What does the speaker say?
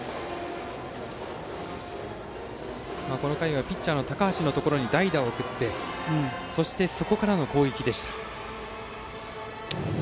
この回はピッチャーの高橋のところに代打を送りそして、そこからの攻撃でした。